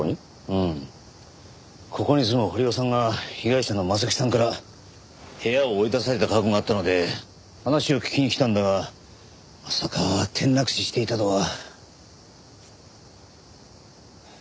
うんここに住む堀尾さんが被害者の征木さんから部屋を追い出された過去があったので話を聞きに来たんだがまさか転落死していたとは。